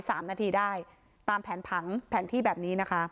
สามนาทีได้ตามแผนผังแผนที่แบบนี้นะคะ